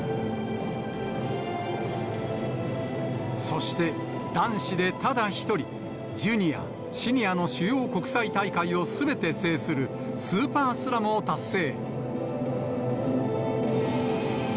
そして、男子でただ一人、ジュニア、シニアの主要国際大会をすべて制するスーパースラムを達成。